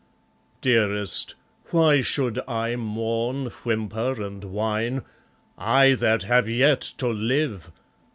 ... Dearest, why should I mourn, whimper, and whine, I that have yet to live?